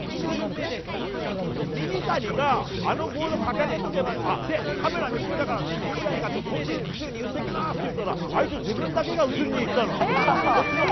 ミニタニがあのボード掲げとけば、で、カメラ見つけたから、ミニタニがちょっとこっち映すように言っておきますっていったら、あいつ、自分だけが映りに行ったの。